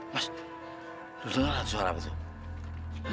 mas lu denger nggak suara apa tuh